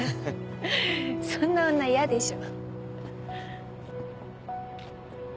そんな女嫌でしょ。